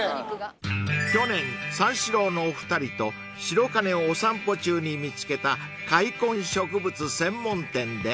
［去年三四郎のお二人と白金をお散歩中に見つけた塊根植物専門店で］